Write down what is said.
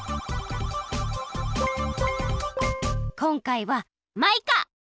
こんかいはマイカ！